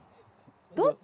どっち？